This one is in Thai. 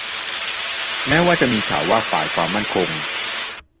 แม้ว่าจะมีข่าวว่าฝ่ายความมั่นคง